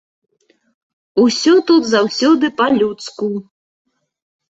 Усё тут заўсёды па-людску.